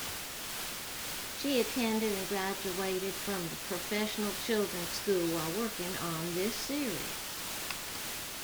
She attended and graduated from the Professional Children's School while working on this series.